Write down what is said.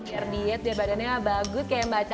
diperdiet biar badannya bagus kayak mbak caca